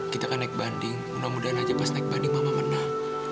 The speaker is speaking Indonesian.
kita akan naik banding mudah mudahan aja pas naik banding mama menang